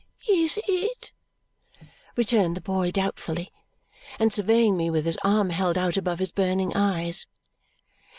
"Is it?" returned the boy doubtfully, and surveying me with his arm held out above his burning eyes.